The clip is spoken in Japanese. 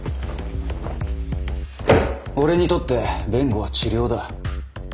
俺にとって弁護は治療だ。